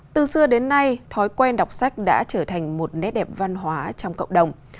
từ xưa đến nay thói quen đọc sách đã trở thành một nét đẹp văn hóa trong cộng đồng